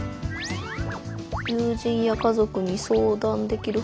「友人や家族に相談できる」。